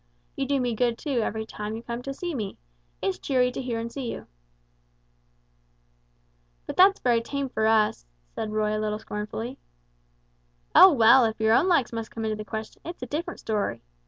You do me good too, every time you comes to see me; it's cheery to hear and see you." "But that's very tame for us," said Roy, a little scornfully. "Oh, well, if your own likes must come into the question, it's a different story!